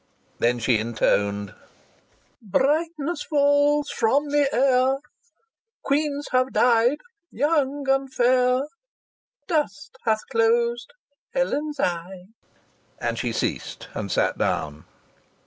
Then she intoned: "Brightness falls from the air; Queens have died young and fair; Dust hath closed Helen's eye." And she ceased and sat down.